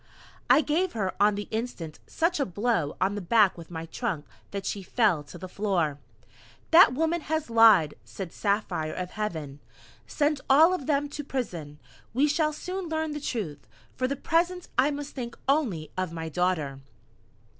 I gave her on the instant such a blow on the back with my trunk that she fell to the floor. "That woman has lied," said Saphire of Heaven. "Send all of them to prison. We shall soon learn the truth. For the present I must think only of my Daughter!"